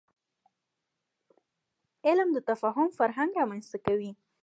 علم د تفاهم فرهنګ رامنځته کوي.